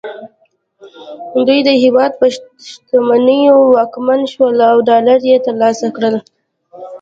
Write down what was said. دوی د هېواد په شتمنیو واکمن شول او ډالر یې ترلاسه کړل